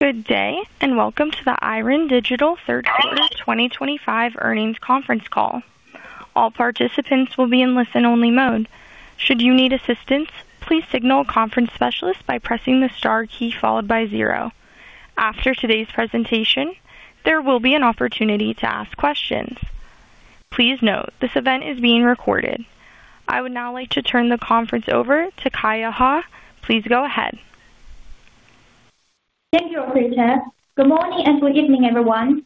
Good day, and welcome to the Yiren Digital Third Quarter 2025 earnings conference call. All participants will be in listen-only mode. Should you need assistance, please signal a conference specialist by pressing the star key followed by zero. After today's presentation, there will be an opportunity to ask questions. Please note, this event is being recorded. I would now like to turn the conference over to Ka Chun William Hu. Please go ahead. Thank you, Auphrey Chen. Good morning and good evening, everyone.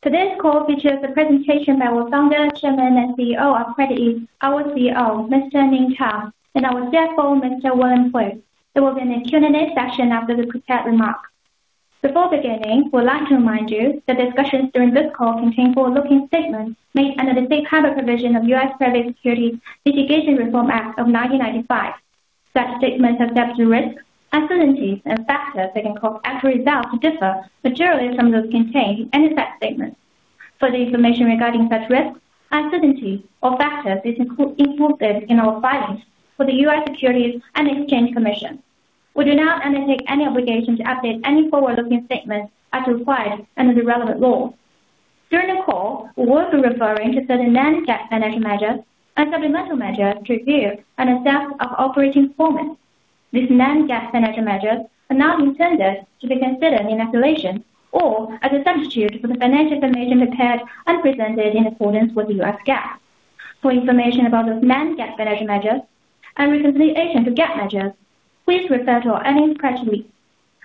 Today's call features a presentation by our Founder, Chairman, and CEO of CreditEase, our CEO, Mr. Ning Tang, and our CFO, Mr. William Hui. There will be a Q&A session after the prepared remarks. Before beginning, we'd like to remind you that discussions during this call contain forward-looking statements made under the safe harbor provision of the U.S. Securities and Exchange Commission Reform Act of 1995. Such statements accept the risks, uncertainties, and factors that can cause actual results to differ materially from those contained in the said statements. For the information regarding such risks, uncertainties, or factors being included in our filings for the U.S. Securities and Exchange Commission, we do not undertake any obligation to update any forward-looking statements as required under the relevant laws. During the call, we will be referring to certain non-GAAP financial measures and supplemental measures to review and assess our operating performance. These non-GAAP financial measures are not intended to be considered in isolation or as a substitute for the financial information prepared and presented in accordance with the U.S. GAAP. For information about those non-GAAP financial measures and reconciliation to GAAP measures, please refer to our earnings press release.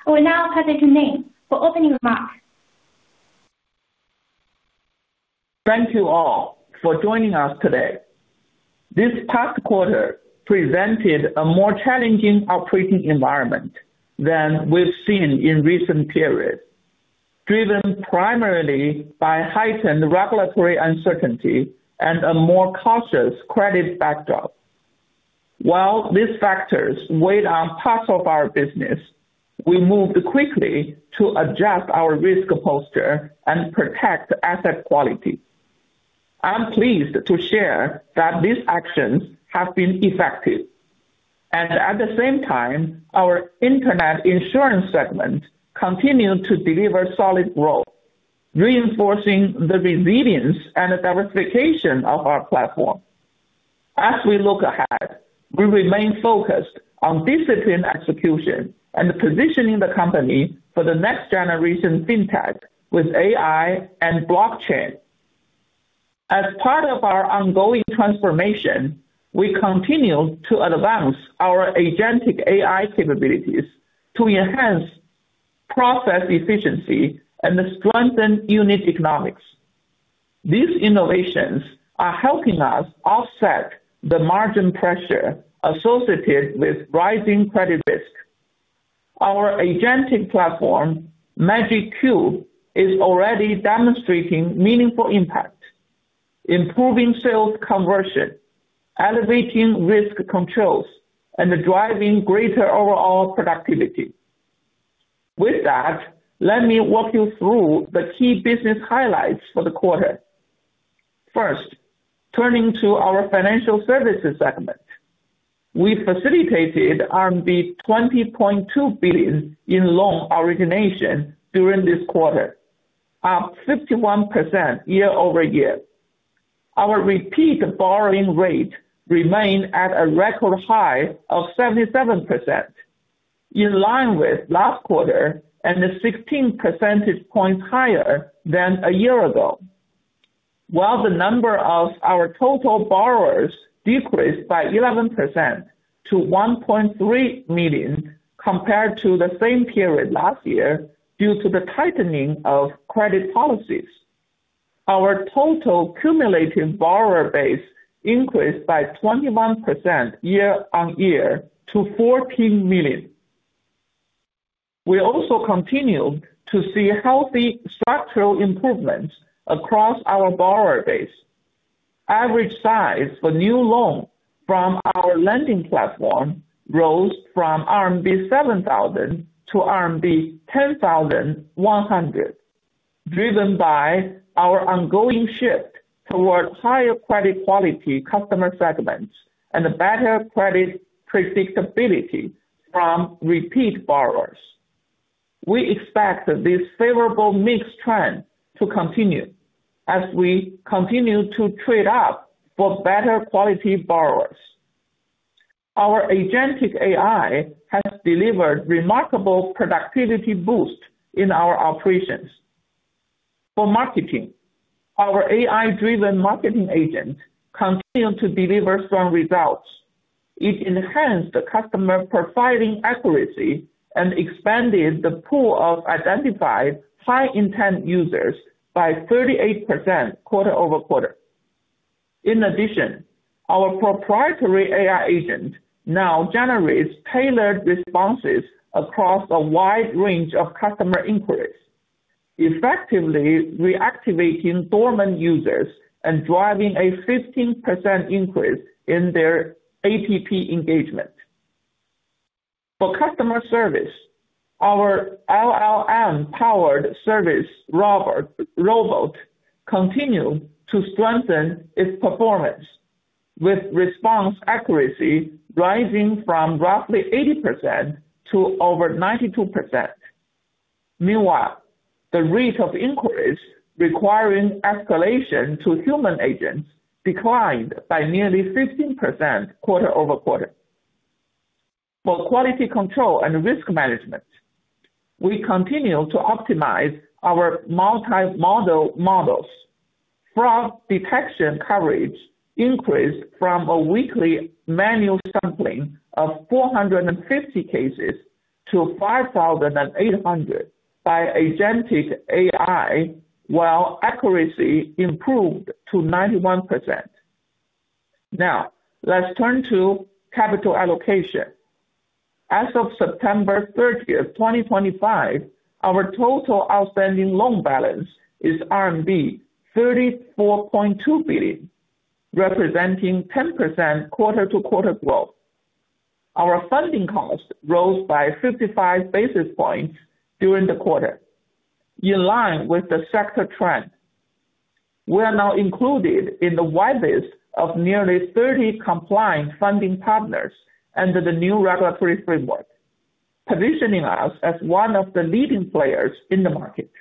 We now pass it to Ning for opening remarks. Thank you all for joining us today. This past quarter presented a more challenging operating environment than we've seen in recent periods, driven primarily by heightened regulatory uncertainty and a more cautious credit backdrop. While these factors weighed on parts of our business, we moved quickly to adjust our risk posture and protect asset quality. I'm pleased to share that these actions have been effective. At the same time, our Internet insurance segment continued to deliver solid growth, reinforcing the resilience and diversification of our platform. As we look ahead, we remain focused on disciplined execution and positioning the company for the next generation fintech with AI and blockchain. As part of our ongoing transformation, we continue to advance our agentic AI capabilities to enhance process efficiency and strengthen unit economics. These innovations are helping us offset the margin pressure associated with rising credit risk. Our agentic platform, Magicube, is already demonstrating meaningful impact, improving sales conversion, elevating risk controls, and driving greater overall productivity. With that, let me walk you through the key business highlights for the quarter. First, turning to our financial services segment, we facilitated RMB 20.2 billion in loan origination during this quarter, up 51% year-over-year. Our repeat borrowing rate remained at a record high of 77%, in line with last quarter and 16 percentage points higher than a year ago. While the number of our total borrowers decreased by 11% to 1.3 million compared to the same period last year due to the tightening of credit policies, our total cumulative borrower base increased by 21% year-over-year to 14 million. We also continue to see healthy structural improvements across our borrower base. Average size for new loans from our lending platform rose from RMB 7,000 to RMB 10,100, driven by our ongoing shift toward higher credit quality customer segments and better credit predictability from repeat borrowers. We expect this favorable mixed trend to continue as we continue to trade up for better quality borrowers. Our agentic AI has delivered remarkable productivity boosts in our operations. For marketing, our AI-driven marketing agent continued to deliver strong results. It enhanced customer profiling accuracy and expanded the pool of identified high-intent users by 38% quarter over quarter. In addition, our proprietary AI agent now generates tailored responses across a wide range of customer inquiries, effectively reactivating dormant users and driving a 15% increase in their app engagement. For customer service, our LLM-powered service robot, robot, continues to strengthen its performance, with response accuracy rising from roughly 80% to over 92%. Meanwhile, the rate of inquiries requiring escalation to human agents declined by nearly 15% quarter over quarter. For quality control and risk management, we continue to optimize our multi-modal models. Fraud detection coverage increased from a weekly manual sampling of 450 cases to 5,800 by agentic AI, while accuracy improved to 91%. Now, let's turn to capital allocation. As of September 30, 2025, our total outstanding loan balance is RMB 34.2 billion, representing 10% quarter to quarter growth. Our funding cost rose by 55 basis points during the quarter, in line with the sector trend. We are now included in the whitelist of nearly 30 compliant funding partners under the new regulatory framework, positioning us as one of the leading players in the market.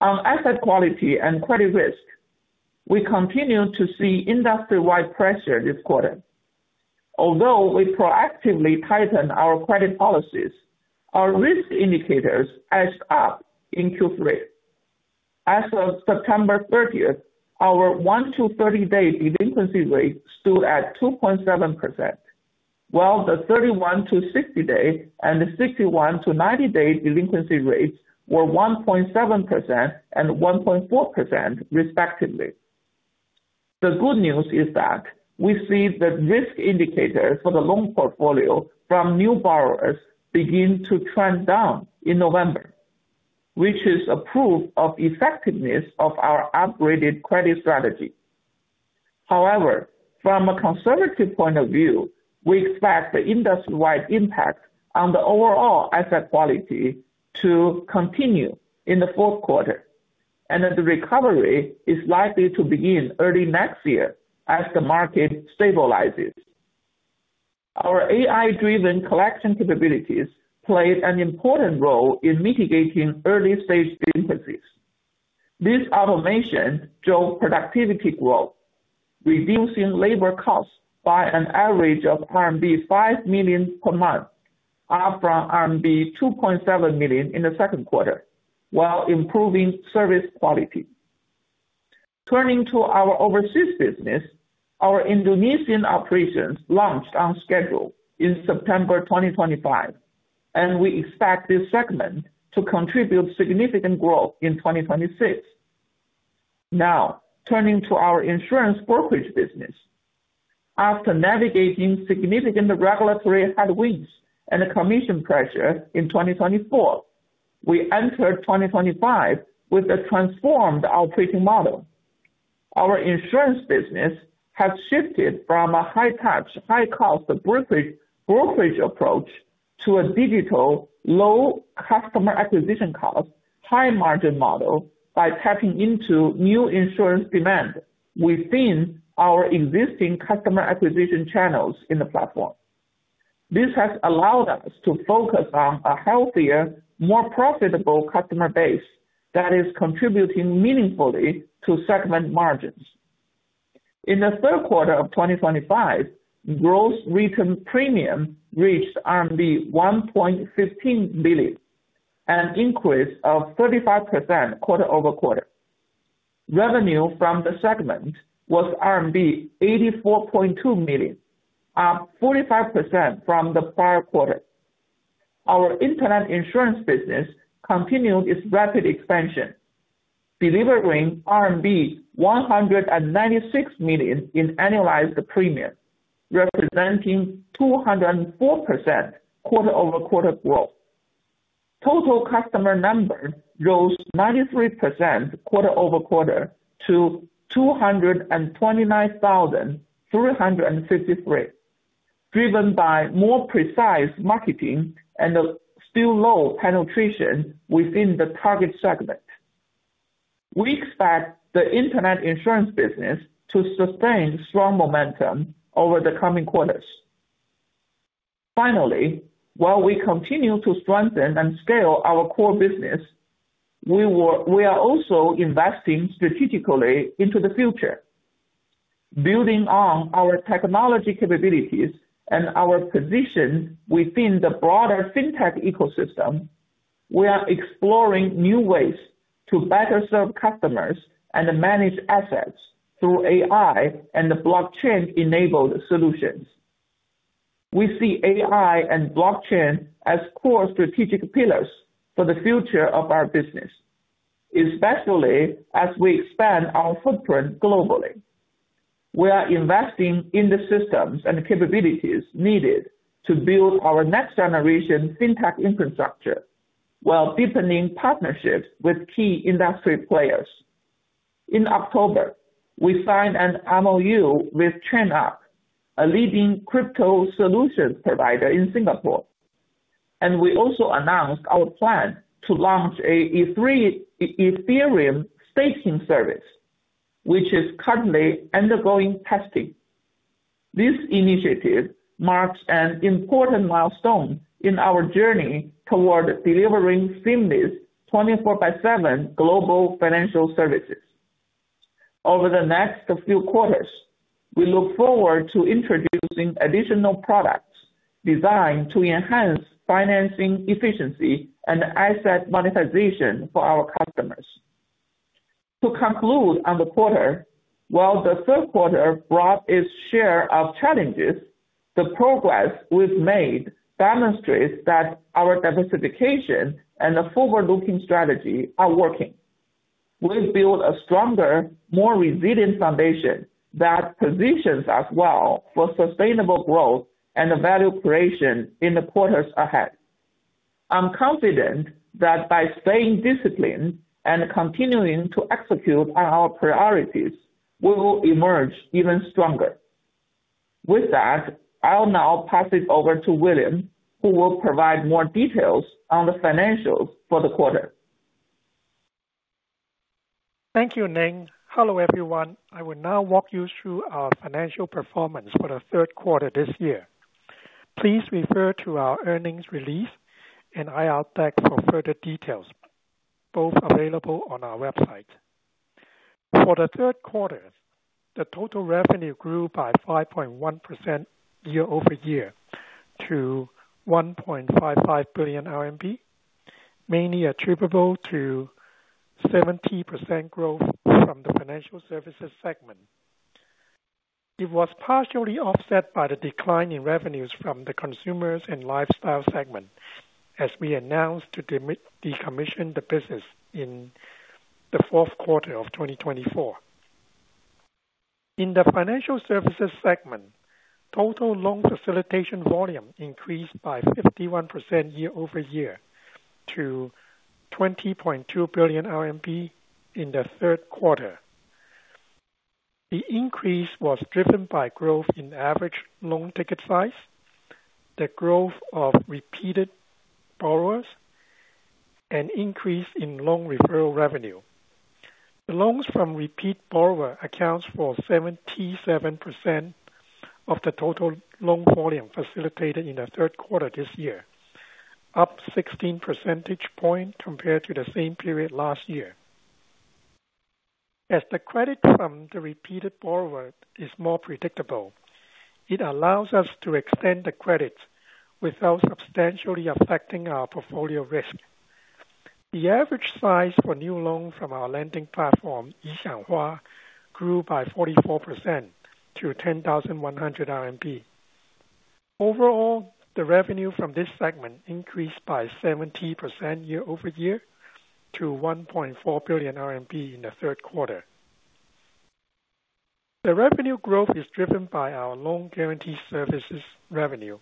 On asset quality and credit risk, we continue to see industry-wide pressure this quarter. Although we proactively tighten our credit policies, our risk indicators edged up in Q3. As of September 30, our 1-30 day delinquency rate stood at 2.7%, while the 31-60 day and the 61-90 day delinquency rates were 1.7% and 1.4%, respectively. The good news is that we see the risk indicators for the loan portfolio from new borrowers begin to trend down in November, which is a proof of the effectiveness of our upgraded credit strategy. However, from a conservative point of view, we expect the industry-wide impact on the overall asset quality to continue in the fourth quarter, and the recovery is likely to begin early next year as the market stabilizes. Our AI-driven collection capabilities played an important role in mitigating early-stage delinquencies. This automation drove productivity growth, reducing labor costs by an average of RMB 5 million per month, up from RMB 2.7 million in the second quarter, while improving service quality. Turning to our overseas business, our Indonesian operations launched on schedule in September 2025, and we expect this segment to contribute significant growth in 2026. Now, turning to our insurance brokerage business, after navigating significant regulatory headwinds and commission pressure in 2024, we entered 2025 with a transformed operating model. Our insurance business has shifted from a high-touch, high-cost brokerage approach to a digital, low customer acquisition cost, high-margin model by tapping into new insurance demand within our existing customer acquisition channels in the platform. This has allowed us to focus on a healthier, more profitable customer base that is contributing meaningfully to segment margins. In the third quarter of 2025, gross return premium reached RMB 1.15 billion, an increase of 35% quarter over quarter. Revenue from the segment was RMB 84.2 million, up 45% from the prior quarter. Our Internet insurance business continued its rapid expansion, delivering RMB 196 million in annualized premium, representing 204% quarter over quarter growth. Total customer number rose 93% quarter over quarter to 229,353, driven by more precise marketing and still low penetration within the target segment. We expect the Internet insurance business to sustain strong momentum over the coming quarters. Finally, while we continue to strengthen and scale our core business, we are also investing strategically into the future. Building on our technology capabilities and our position within the broader fintech ecosystem, we are exploring new ways to better serve customers and manage assets through AI and blockchain-enabled solutions. We see AI and blockchain as core strategic pillars for the future of our business, especially as we expand our footprint globally. We are investing in the systems and capabilities needed to build our next-generation fintech infrastructure while deepening partnerships with key industry players. In October, we signed an MOU with ChainUp, a leading crypto solutions provider in Singapore, and we also announced our plan to launch an Ethereum staking service, which is currently undergoing testing. This initiative marks an important milestone in our journey toward delivering Seamless 24/7 Global Financial Services. Over the next few quarters, we look forward to introducing additional products designed to enhance financing efficiency and asset monetization for our customers. To conclude on the quarter, while the third quarter brought its share of challenges, the progress we've made demonstrates that our diversification and the forward-looking strategy are working. We've built a stronger, more resilient foundation that positions us well for sustainable growth and value creation in the quarters ahead. I'm confident that by staying disciplined and continuing to execute on our priorities, we will emerge even stronger. With that, I'll now pass it over to William, who will provide more details on the financials for the quarter. Thank you, Ning. Hello, everyone. I will now walk you through our financial performance for the third quarter this year. Please refer to our earnings release and our text for further details, both available on our website. For the third quarter, the total revenue grew by 5.1% year-over-year to 1.55 billion RMB, mainly attributable to 70% growth from the financial services segment. It was partially offset by the decline in revenues from the consumers and lifestyle segment, as we announced to decommission the business in the fourth quarter of 2024. In the financial services segment, total loan facilitation volume increased by 51% year-over-year to 20.2 billion RMB in the third quarter. The increase was driven by growth in average loan ticket size, the growth of repeated borrowers, and increase in loan referral revenue. The loans from repeat borrower accounts for 77% of the total loan volume facilitated in the third quarter this year, up 16 percentage points compared to the same period last year. As the credit from the repeated borrower is more predictable, it allows us to extend the credit without substantially affecting our portfolio risk. The average size for new loans from our lending platform, Yixiang Hua, grew by 44% to 10,100 RMB. Overall, the revenue from this segment increased by 70% year-over-year to 1.4 billion RMB in the third quarter. The revenue growth is driven by our loan-guarantee services revenue,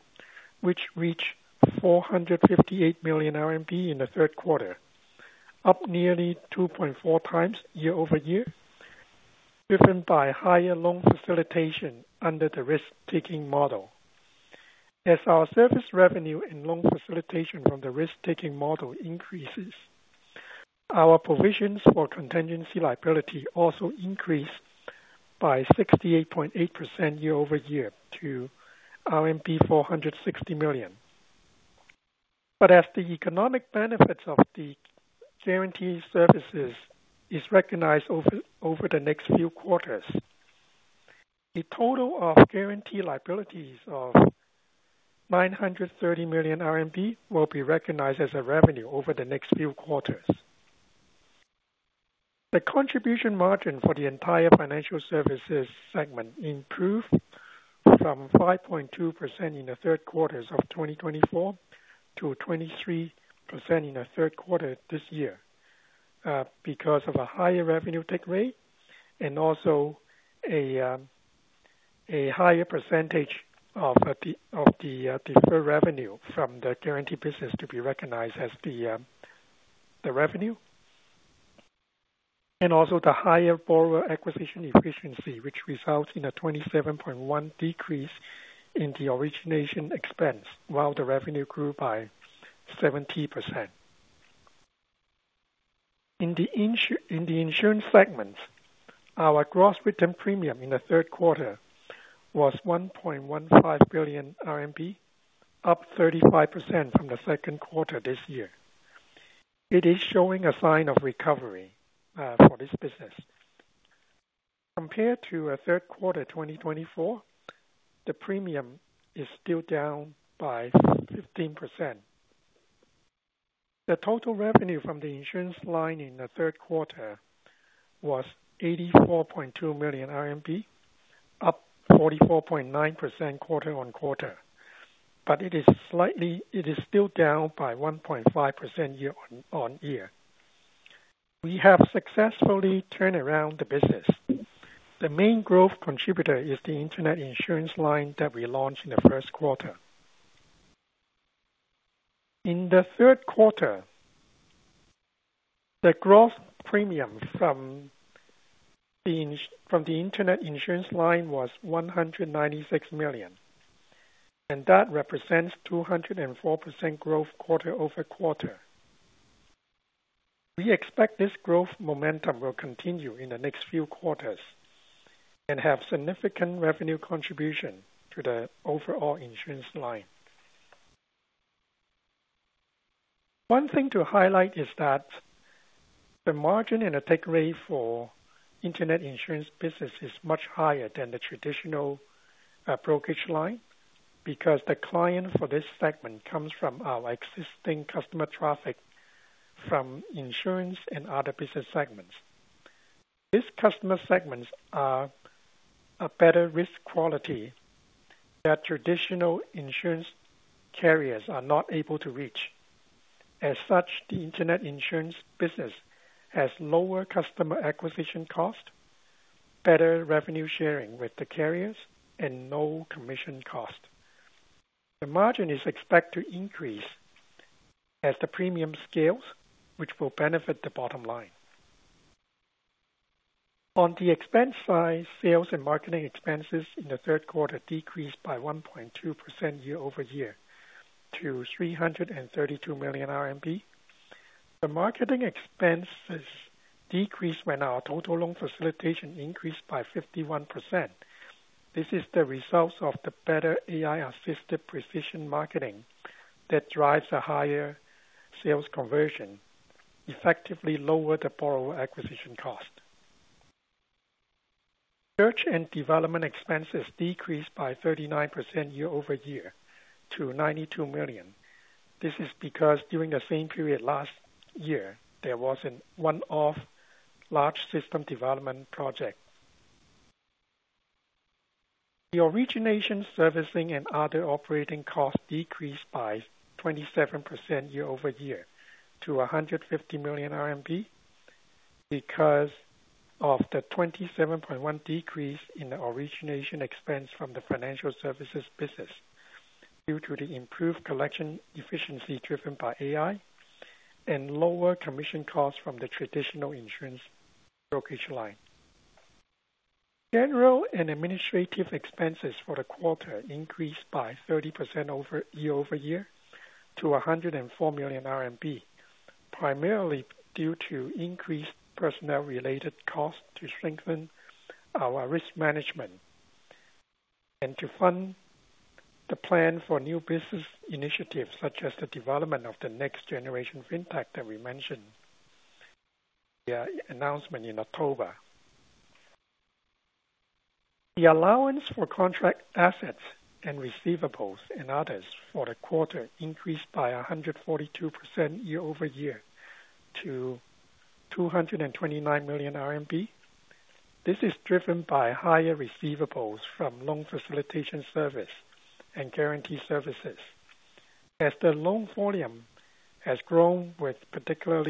which reached 458 million RMB in the third quarter, up nearly 2.4 times year-over-year, driven by higher loan facilitation under the risk-taking model. As our service revenue and loan facilitation from the risk-taking model increases, our provisions for contingency liability also increased by 68.8% year-over-year to 460 million. As the economic benefits of the guarantee services are recognized over the next few quarters, a total of guarantee liabilities of 930 million RMB will be recognized as revenue over the next few quarters. The contribution margin for the entire financial services segment improved from 5.2% in the third quarter of 2024 to 23% in the third quarter this year because of a higher revenue tick rate and also a higher percentage of the deferred revenue from the guarantee business to be recognized as the revenue, and also the higher borrower acquisition efficiency, which resulted in a 27.1% decrease in the origination expense, while the revenue grew by 70%. In the insurance segment, our gross return premium in the third quarter was 1.15 billion RMB, up 35% from the second quarter this year. It is showing a sign of recovery for this business. Compared to the third quarter of 2024, the premium is still down by 15%. The total revenue from the insurance line in the third quarter was 84.2 million RMB, up 44.9% quarter on quarter, but it is still down by 1.5% year-on-year. We have successfully turned around the business. The main growth contributor is the Internet insurance line that we launched in the first quarter. In the third quarter, the gross premium from the Internet insurance line was 196 million, and that represents 204% growth quarter over quarter. We expect this growth momentum will continue in the next few quarters and have significant revenue contribution to the overall insurance line. One thing to highlight is that the margin and the take rate for Internet insurance business is much higher than the traditional brokerage line because the client for this segment comes from our existing customer traffic from insurance and other business segments. These customer segments are of better risk quality that traditional insurance carriers are not able to reach. As such, the Internet insurance business has lower customer acquisition cost, better revenue sharing with the carriers, and no commission cost. The margin is expected to increase as the premium scales, which will benefit the bottom line. On the expense side, sales and marketing expenses in the third quarter decreased by 1.2% year-over-year to RMB 332 million. The marketing expenses decreased when our total loan facilitation increased by 51%. This is the result of the better AI-assisted precision marketing that drives a higher sales conversion, effectively lowering the borrower acquisition cost. Search and development expenses decreased by 39% year-over-year to 92 million. This is because during the same period last year, there was a one-off large system development project. The origination, servicing, and other operating costs decreased by 27% year-over-year to RMB 150 million because of the 27.1% decrease in the origination expense from the financial services business due to the improved collection efficiency driven by AI and lower commission costs from the traditional insurance brokerage line. General and administrative expenses for the quarter increased by 30% year-over-year to RMB 104 million, primarily due to increased personnel-related costs to strengthen our risk management and to fund the plan for new business initiatives such as the development of the next-generation fintech that we mentioned in the announcement in October. The allowance for contract assets and receivables and others for the quarter increased by 142% year-over-year to 229 million RMB. This is driven by higher receivables from loan facilitation service and loan-guarantee services, as the loan volume has grown with particular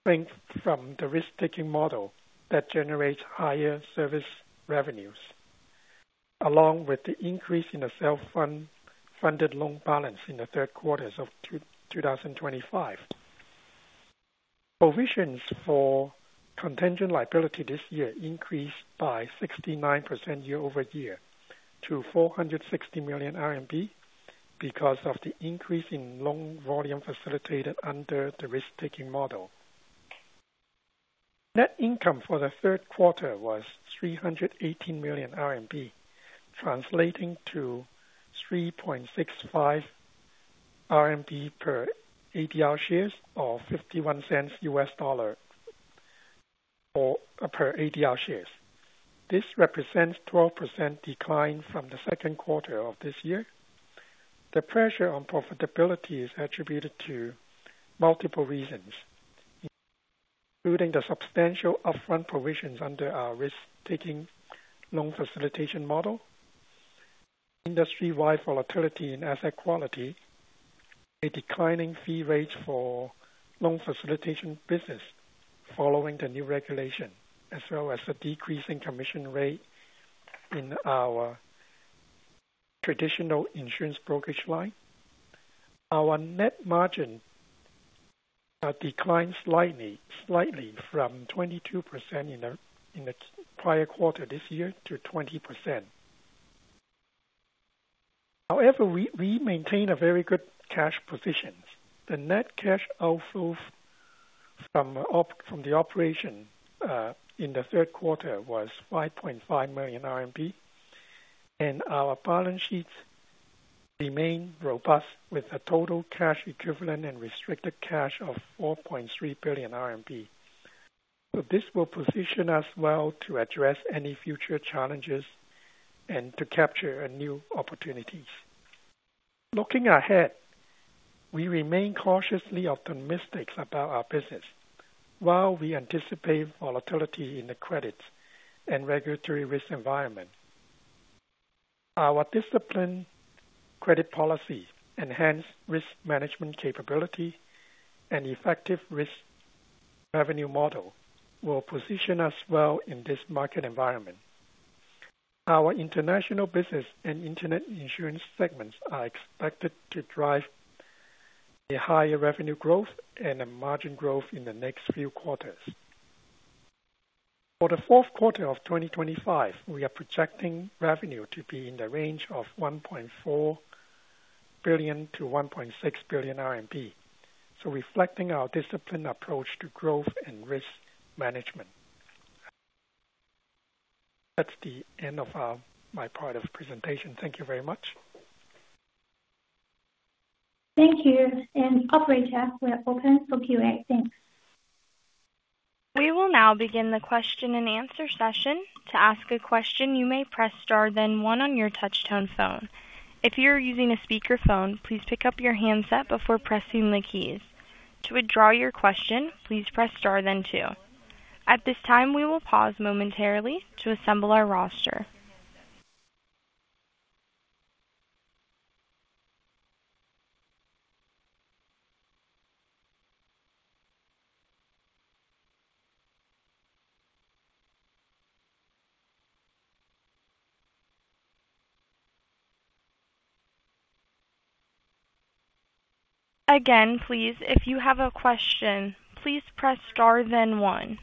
strength from the risk-taking model that generates higher service revenues, along with the increase in the self-funded loan balance in the third quarter of 2025. Provisions for contingent liability this year increased by 69% year-over-year to 460 million RMB because of the increase in loan volume facilitated under the risk-taking model. Net income for the third quarter was 318 million RMB, translating to 3.65 RMB per ADR share or $0.51 per ADR share. This represents a 12% decline from the second quarter of this year. The pressure on profitability is attributed to multiple reasons, including the substantial upfront provisions under our risk-taking loan facilitation model, industry-wide volatility in asset quality, a declining fee rate for loan facilitation business following the new regulation, as well as a decreasing commission rate in our traditional insurance brokerage line. Our net margin declined slightly from 22% in the prior quarter this year to 20%. However, we maintain a very good cash position. The net cash outflow from the operation in the third quarter was 5.5 million RMB, and our balance sheet remained robust with a total cash equivalent and restricted cash of 4.3 billion RMB. This will position us well to address any future challenges and to capture new opportunities. Looking ahead, we remain cautiously optimistic about our business while we anticipate volatility in the credit and regulatory risk environment. Our disciplined credit policy, enhanced risk management capability, and effective risk revenue model will position us well in this market environment. Our international business and Internet insurance segments are expected to drive a higher revenue growth and margin growth in the next few quarters. For the fourth quarter of 2025, we are projecting revenue to be in the range of 1.4 billion-1.6 billion RMB, reflecting our disciplined approach to growth and risk management. That's the end of my part of the presentation. Thank you very much. Thank you. Operator, we're open for Q&A. Thanks. We will now begin the question-and-answer session. To ask a question, you may press star then one on your touch-tone phone. If you're using a speakerphone, please pick up your handset before pressing the keys. To withdraw your question, please press star then two. At this time, we will pause momentarily to assemble our roster. Again, please, if you have a question, please press star then one.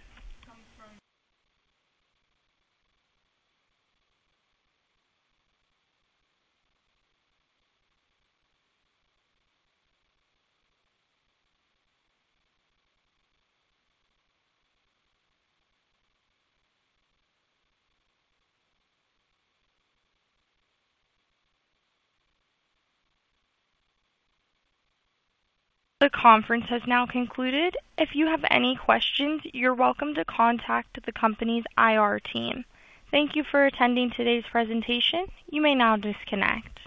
The conference has now concluded. If you have any questions, you're welcome to contact the company's IR team. Thank you for attending today's presentation. You may now disconnect.